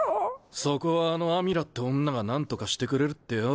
そこはあのアミラって女が何とかしてくれるってよ。